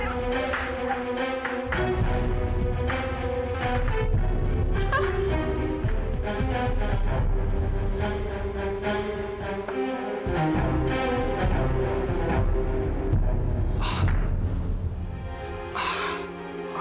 masuk kedua band